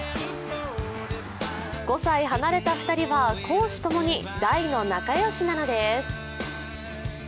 ５歳離れた２人は公私ともに大の仲良しなのです。